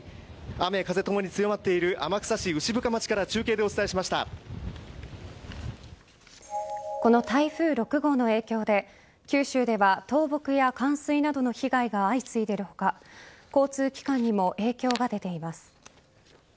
雨風ともに強まっている天草市牛深町からこの台風６号の影響で九州では倒木や冠水などの被害が相次いでいる他交通機関にも影響が出ています。